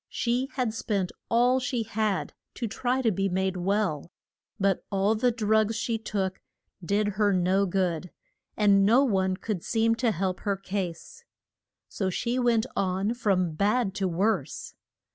She had spent all she had to try to be made well; but all the drugs she took did her no good, and no one could seem to help her case. So she went on from bad to worse.